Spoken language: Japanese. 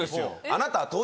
あなた。